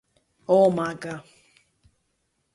Ω, Μάγκα!